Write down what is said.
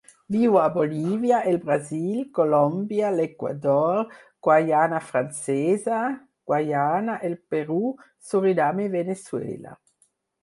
Viu a Bolívia, el Brasil, Colòmbia, l'Equador, Guaiana Francesa, Guaiana, el Perú, Surinam i Veneçuela.